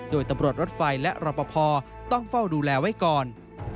โดยตำรวจรถไฟและรอปภต้องเฝ้าดูแลไว้ก่อน